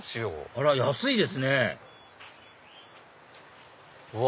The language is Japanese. あら安いですねうわ